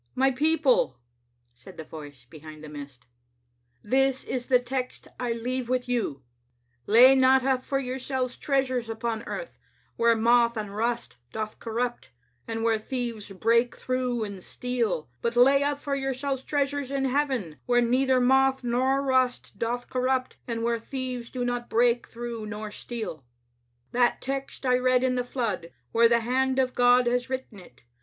"My people," said the voice behind the mist, "this is the text I leave with you: *Lay not up for yourselves treasures upon earth, where moth and rust doth corrupt, and where thieves break through and steal ; but lay up for yourselves treasures in heaven, where neither moth nor rust doth corrupt, and where thieves do not break through nor steal. ' That text I read in the flood, where the hand of God has written it.